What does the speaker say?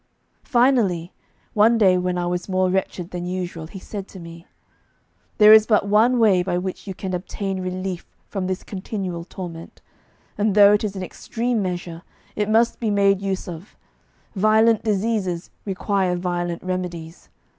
Finally, one day when I was more wretched than usual, he said to me: 'There is but one way by which you can obtain relief from this continual torment, and though it is an extreme measure it must be made use of; violent diseases require violent remedies.